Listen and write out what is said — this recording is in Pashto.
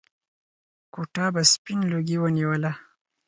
کوټه به سپين لوګي ونيوله.